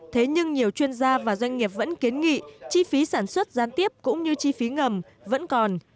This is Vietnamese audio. thế nhưng nhiều chuyên gia và doanh nghiệp vẫn kiến nghị chi phí sản xuất gián tiếp cũng như chi phí ngầm vẫn còn